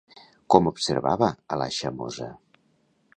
Com observava a la Xamosa?